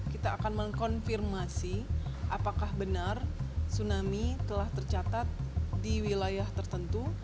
kita akan mengkonfirmasi apakah benar tsunami telah tercatat di wilayah tertentu